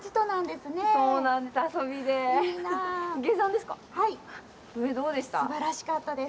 すばらしかったです。